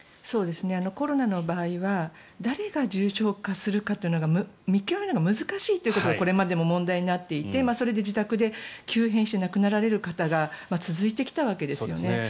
コロナの場合は誰が重症化するかというのが見極めるのが難しいということがこれまでも問題になっていてそれで自宅で急変して亡くなられる方が続いてきたわけですよね。